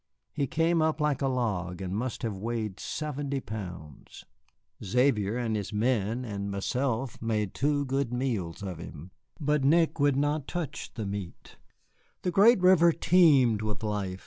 He came up like a log, and must have weighed seventy pounds. Xavier and his men and myself made two good meals of him, but Nick would not touch the meat. The great river teemed with life.